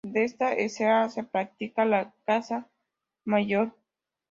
En esta dehesa, se practica la caza mayor.